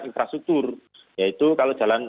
infrastruktur yaitu kalau jalan